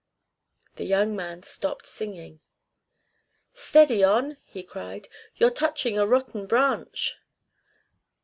The young man stopped singing. "Steady on," he cried. "You're touching a rotten branch."